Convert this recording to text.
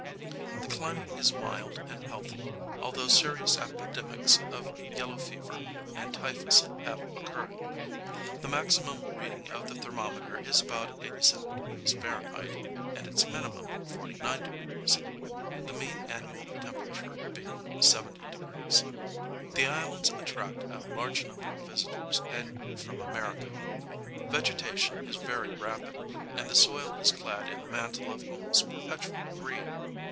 The climate is mild and healthy, although serious epidemics of yellow fever and typhus have occurred. The maximum reading of the thermometer is about 87° F. and its minimum 49°, the mean annual temperature being 70°. The islands attract a large number of visitors annually from America. Vegetation is very rapid, and the soil is clad in a mantle of almost perpetual green.